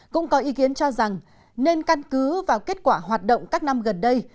cũng có ý kiến cho rằng nên căn cứ vào kết quả hoạt động các năm gần đây